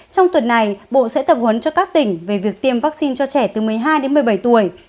trong tuần này bộ sẽ tập huấn cho các tỉnh về việc tiêm vaccine cho trẻ từ một mươi hai đến một mươi bảy tuổi